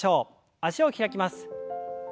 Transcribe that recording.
脚を開きます。